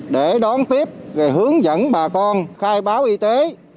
để đón tiếp hướng dẫn bà con khai báo y tế